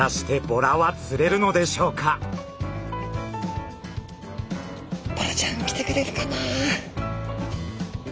ボラちゃん来てくれるかな。